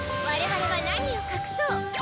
我々は何を隠そう！